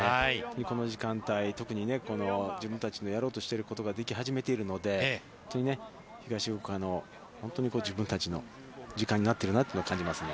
この時間帯、特に自分たちのやろうとしていることができ始めているので、本当に東福岡の自分たちの時間になっているなと感じますね。